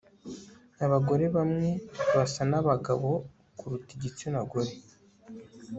Abagore bamwe basa nabagabo kuruta igitsina gore